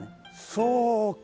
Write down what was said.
そうか！